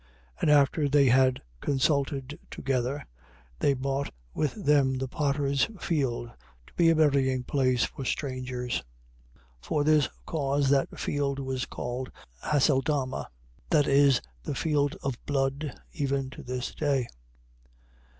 And after they had consulted together, they bought with them the potter's field, to be a burying place for strangers. 27:8. For this cause that field was called Haceldama, that is, the field of blood, even to this day.